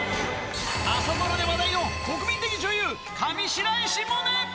朝ドラで話題の国民的女優、上白石萌音。